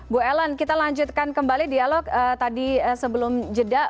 bu ellen kita lanjutkan kembali dialog tadi sebelum jeda